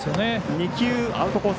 ２球アウトコース